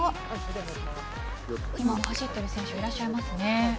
今、走っている選手いらっしゃいますね。